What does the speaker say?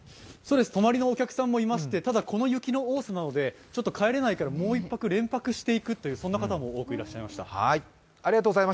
泊まりのお客さんもいまして、ただこの雪の多さなので帰れないからもう１泊連泊していくと言っている方も多くいました。